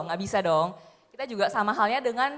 nggak bisa dong kita juga sama halnya dengan